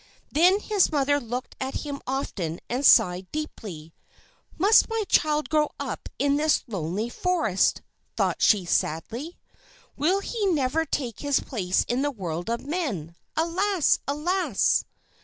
Then his mother looked at him often and sighed deeply. "Must my child grow up in this lonely forest!" thought she sadly. "Will he never take his place in the world of men! Alas! Alas!"